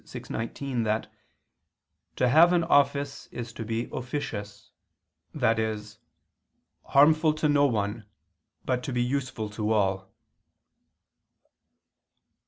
vi, 19) that "to have an office is to be officious," i.e. harmful "to no one, but to be useful to all."